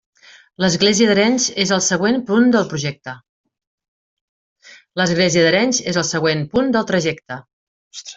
L'església d'Arenys és el següent punt del trajecte.